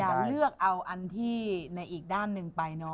เลือกเอาอันที่ในอีกด้านหนึ่งไปเนาะ